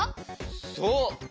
そう。